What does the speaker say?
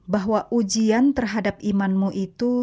bahwa ujian terhadap imanmu itu